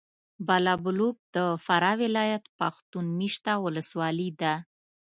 بالابلوک د فراه ولایت پښتون مېشته ولسوالي ده.